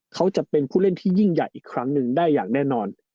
เขาจะเป็นผู้เล่นที่ยิ่งใหญ่อีกครั้งหนึ่งได้อย่างแน่นอน